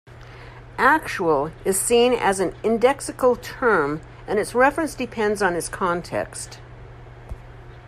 "Actual" is seen as an indexical term, and its reference depends on its context.